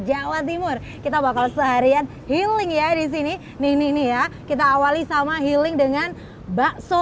jawa timur kita bakal seharian healing ya disini nih ya kita awali sama healing dengan bakso